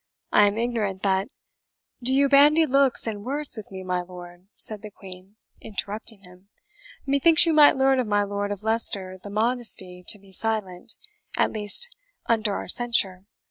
I am ignorant that " "Do you bandy looks and words with me, my lord?" said the Queen, interrupting him; "methinks you might learn of my Lord of Leicester the modesty to be silent, at least, under our censure.